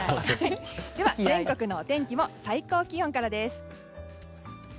では全国のお天気を最高気温からです。